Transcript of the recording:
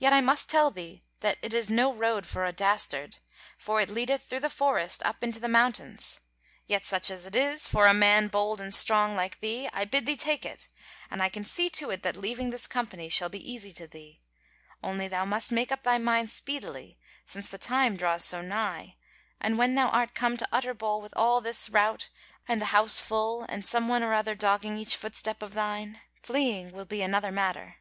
Yet I must tell thee that it is no road for a dastard; for it leadeth through the forest up into the mountains: yet such as it is, for a man bold and strong like thee, I bid thee take it: and I can see to it that leaving this company shall be easy to thee: only thou must make up thy mind speedily, since the time draws so nigh, and when thou art come to Utterbol with all this rout, and the house full, and some one or other dogging each footstep of thine, fleeing will be another matter.